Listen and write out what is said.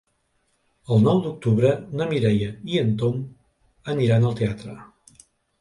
El nou d'octubre na Mireia i en Tom aniran al teatre.